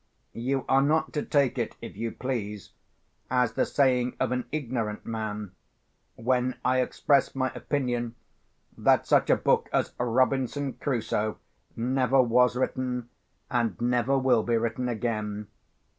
You are not to take it, if you please, as the saying of an ignorant man, when I express my opinion that such a book as Robinson Crusoe never was written, and never will be written again.